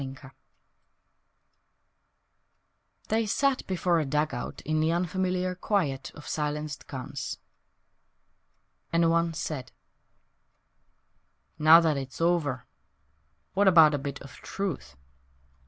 The Reasons THEY sat before a dugout In the unfamiliar quiet of silenced guns. And one said: "Now that it's over What about a bit of truth?